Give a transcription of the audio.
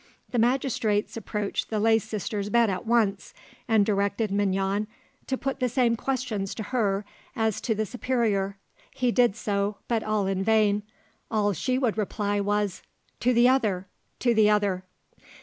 The magistrates approached the lay sister's bed at once, and directed Mignon to put the same questions to her as to the superior: he did so, but all in vain; all she would reply was, "To the other! To the other!"